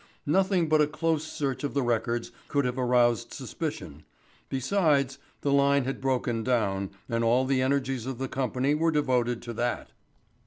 Nothing but a close search of the records could have aroused suspicion. Besides, the line had broken down, and all the energies of the company were devoted to that.